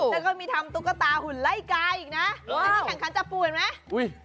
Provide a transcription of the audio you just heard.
แล้วก็มีทำตุ๊กตาหุ่นไล่กาอีกนะอันนี้แข่งขันจับปูเห็นไหม